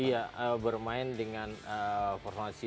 iya bermain dengan personasi empat dua tiga satu ya